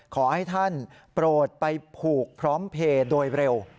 ขอให้ท่านโปรดไปผูกพร้อมเพลย์โดยเร็ว